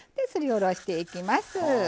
すりおろしていきます。